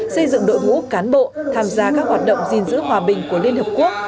xây dựng đội ngũ cán bộ tham gia các hoạt động gìn giữ hòa bình của liên hợp quốc